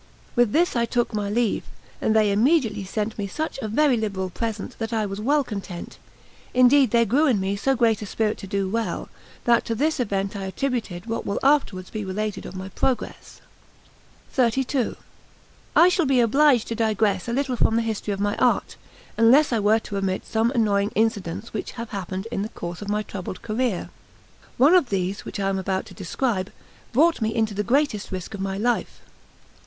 With this I took my leave, and they immediately sent me such a very liberal present, that I was well content; indeed there grew in me so great a spirit to do well, that to this event I attributed what will afterwards be related of my progress. Note 1. 'Gichero,' arum maculatum, and 'clizia,' the sunflower. XXXII I SHALL be obliged to digress a little from the history of my art, unless I were to omit some annoying incidents which have happened in the course of my troubled career. One of these, which I am about to describe, brought me into the greatest risk of my life.